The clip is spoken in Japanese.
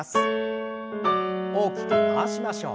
大きく回しましょう。